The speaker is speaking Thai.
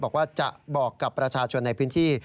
บอกว่าจะบอกกับประชาชนในพื้นที่